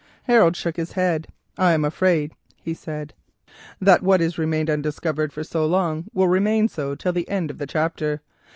Harold shook his head. "I am afraid," he said, "that what has remained undiscovered for so long will remain so till the end of the chapter.